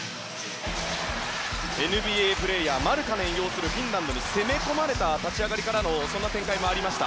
ＮＢＡプレーヤーマルカネン擁するフィンランドに攻め込まれた立ち上がりからの展開もありました。